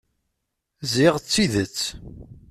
Ziɣ d tidet.